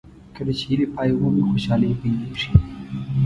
کله چې هیلې پای ومومي خوشالۍ پیلېږي.